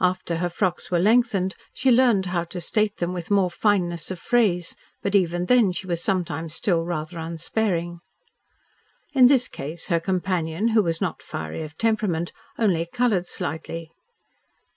After her frocks were lengthened, she learned how to state them with more fineness of phrase, but even then she was sometimes still rather unsparing. In this case her companion, who was not fiery of temperament, only coloured slightly.